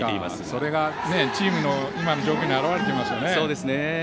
それがチームの今の状況に表れていますよね。